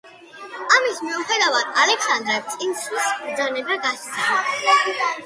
ამის მიუხედავად, ალექსანდრემ წინსვლის ბრძანება გასცა.